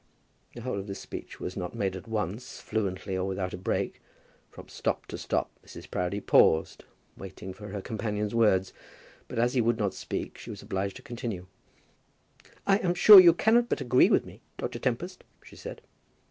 The whole of this speech was not made at once, fluently, or without a break. From stop to stop Mrs. Proudie paused, waiting for her companion's words; but as he would not speak she was obliged to continue. "I am sure that you cannot but agree with me, Dr. Tempest?" she said.